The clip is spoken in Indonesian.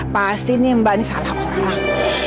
pasti ini mbak ini salah pulang